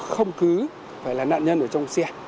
không cứ phải là nạn nhân ở trong xe